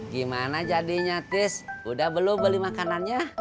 gimana jadinya tis udah belum beli makanannya